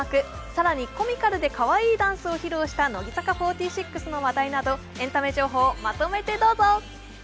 更にコミカルでかわいいダンスを披露した乃木坂４６の話題などエンタメ情報をまとめてどうぞ。